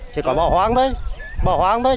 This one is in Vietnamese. chỉ có bỏ hoang thôi bỏ hoang thôi